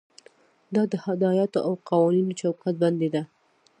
دا د هدایاتو او قوانینو چوکاټ بندي ده.